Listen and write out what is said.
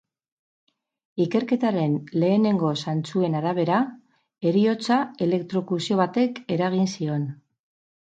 Ikerketaren lehenengo zantzuen arabera, heriotza elektrokuzio batek eragin zion.